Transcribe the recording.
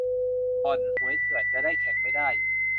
บ่อน-หวยเถื่อนจะได้แข่งไม่ได้